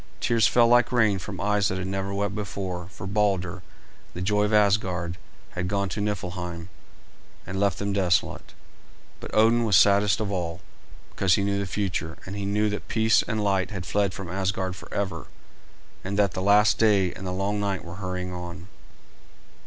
Tears fell like rain from eyes that had never wept before, for Balder, the joy of Asgard, had gone to Niflheim and left them desolate. But Odin was saddest of all, because he knew the future, and he knew that peace and light had fled from Asgard forever, and that the last day and the long night were hurrying on.